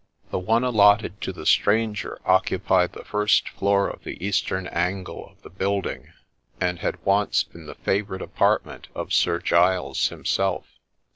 The one allotted to the stranger occupied the first floor of the eastern angle of the building, and had once been the favourite apartment of Sir Giles himself.